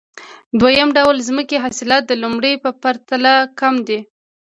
د دویم ډول ځمکې حاصلات د لومړۍ په پرتله کم دي